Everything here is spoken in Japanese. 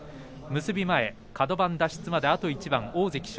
結び前、カド番脱出まであと一番。